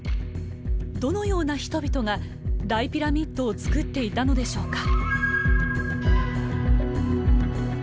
どのような人々が大ピラミッドを造っていたのでしょうか？